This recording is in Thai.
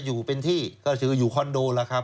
อยู่เป็นที่ก็คืออยู่คอนโดแล้วครับ